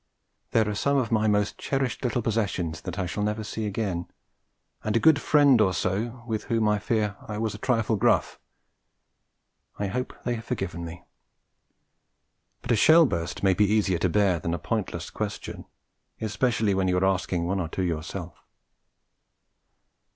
There are some of my most cherished little possessions that I shall never see again, and a good friend or so with whom I fear I was a trifle gruff. I hope they have forgiven me. But a shell burst may be easier to bear than a pointless question, especially when you are asking one or two yourself.